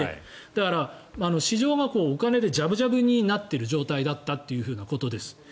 だから、市場がお金でじゃぶじゃぶになっている状態だったということです。